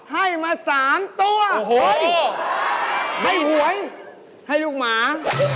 ให้มา๓ตัวไม่หวยให้ลูกหมา